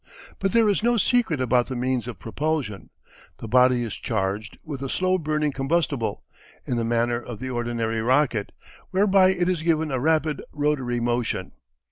But there is no secret about the means of propulsion. The body is charged with a slow burning combustible, in the manner of the ordinary rocket, whereby it is given a rapid rotary motion.